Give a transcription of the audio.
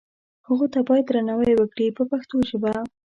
هغو ته باید درناوی وکړي په پښتو ژبه.